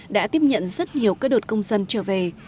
đã tiếp nhận rất nhiều cơ đột công dân trở về